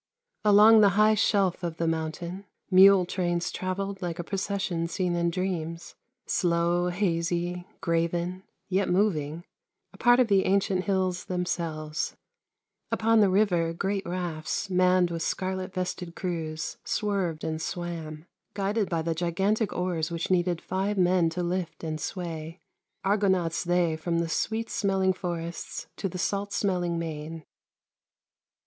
Along the high shelf of the moun tain, mule trains travelled like a procession seen in dreams — slow, hazy, graven, yet moving, a part of the ancient hills themselves ; upon the river great rafts, manned with scarlet vested crews, swerved and swam, guided by the gigantic oars which needed five men to lift and sway — argonauts they from the sweet smelling forests to the salt smelling main.